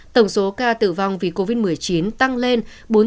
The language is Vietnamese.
tổng số ca tử vong vì covid một mươi chín tăng lên